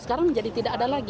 sekarang jadi tidak ada lagi